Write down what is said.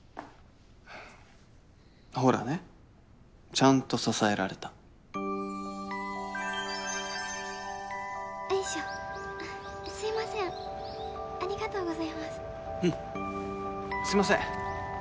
ほらねちゃんと支えられたよいしょすいませんありがとうございますうんすいません